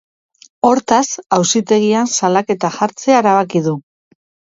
Hortaz, auzitegian salaketa jartzea erabaki du.